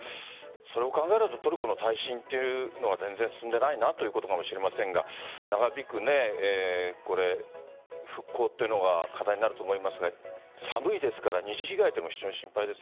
それを考えるとトルコの耐震というのは全然進んでいないなということかもしれませんが長引く復興というのが課題になると思いますが寒いですから二次被害も心配です。